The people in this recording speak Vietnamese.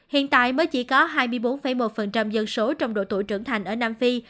hiện tại mới chỉ có hai mươi bốn một dân số trong độ tuổi trưởng thành ở nam phi